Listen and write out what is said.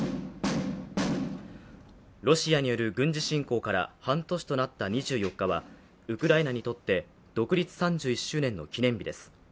ロシアによる軍事侵攻から半年となった２４日はウクライナにとって独立３１周年の記念日です。